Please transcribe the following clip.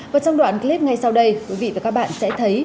và trong đoạn clip ngay sau đây quý vị và các bạn sẽ thấy